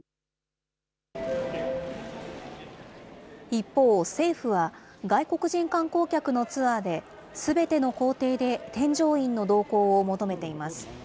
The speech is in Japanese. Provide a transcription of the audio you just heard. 一方、政府は外国人観光客のツアーで、すべての行程で添乗員の同行を求めています。